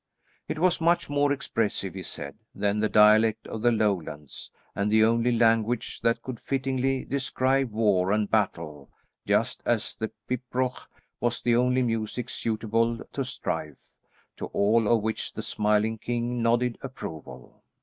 It was much more expressive, he said, than the dialect of the Lowlands, and the only language that could fittingly describe war and battle, just as the pibroch was the only music suitable to strife, to all of which the smiling king nodded approval.